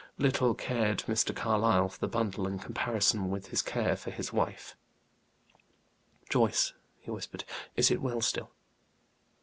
Little cared Mr. Carlyle for the bundle, in comparison with his care for his wife. "Joyce," he whispered, "is it well still?"